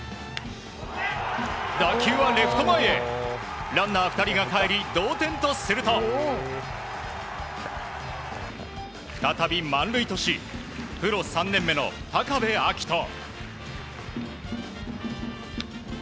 打球はレフト前へランナー２人がかえり同点とすると再び満塁とし、プロ３年目の高部瑛斗。